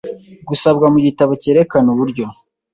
gusabwa mu gitabo cyerekana uburyo